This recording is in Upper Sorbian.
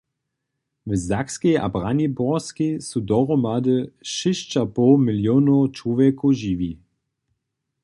W Sakskej a Braniborskej su dohromady šěsćapoł milion čłowjekow žiwi.